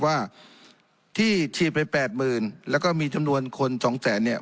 ว่าที่ชีพไป๘๐๐๐๐และก็มีจำนวนคน๒แสน